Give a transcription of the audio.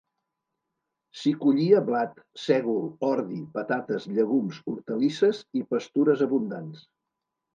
S'hi collia blat, sègol, ordi, patates, llegums, hortalisses i pastures abundants.